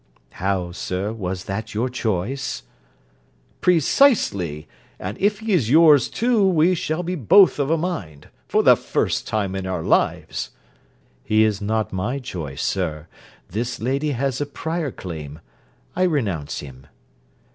'How, sir! was that your choice?' 'Precisely; and if he is yours too we shall be both of a mind, for the first time in our lives.' 'He is not my choice, sir. This lady has a prior claim: I renounce him.'